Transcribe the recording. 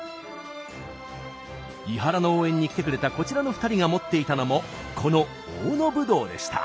伊原の応援に来てくれたこちらの２人が持っていたのもこの大野ぶどうでした。